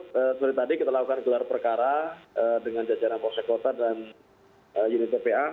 seperti tadi kita lakukan gelar perkara dengan jajaran polsek kota dan unit tpa